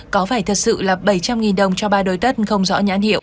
có phải thật sự là bảy trăm linh đồng cho ba đôi tất không rõ nhãn hiệu